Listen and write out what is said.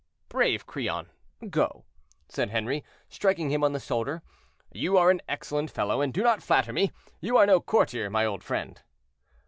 "Brave Crillon, go," said Henry, striking him on the shoulder; "you are an excellent fellow, and do not flatter me; you are no courtier, my old friend."